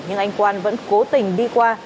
nhưng anh quan vẫn cố tình đi qua